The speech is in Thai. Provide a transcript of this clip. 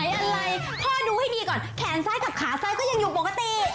อะไรพ่อดูให้ดีก่อนแขนซ้ายกับขาซ้ายก็ยังอยู่ปกติ